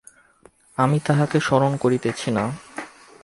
আমি তাঁহাকে স্মরণ করিতেছি না।